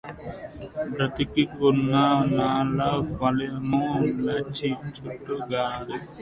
బ్రతికినన్నినాళ్ళు ఫలము లిచ్చుట గాదు